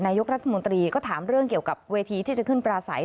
นายกรัฐมนตรีก็ถามเรื่องเกี่ยวกับเวทีที่จะขึ้นปลาใส